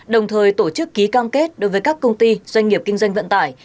đồng thời tổ chức ký cam kết đối với các công ty doanh nghiệp kinh doanh vận tải